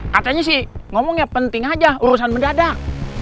katanya sih ngomongnya penting aja urusan mendadak